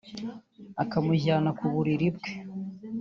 akamujyana ku buriri bwe